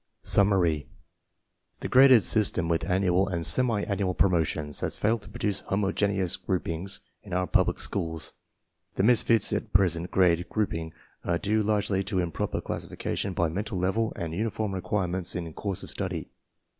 SUMMARY The graded system with annual and semiannual promotions has failed to produce homogeneous group ings in our public schools. The misfits in present grade grouping are due largely to improper classification by mental level and uniform requirements in course of study.